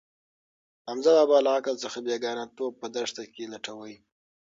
حمزه بابا هم له عقل څخه بېګانه توب په دښته کې لټاوه.